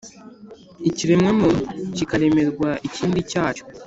Ikiremwamuntu kikaremerwa ikindi cyacyo